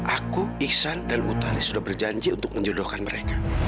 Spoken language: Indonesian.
aku iksan dan utari sudah berjanji untuk menjodohkan mereka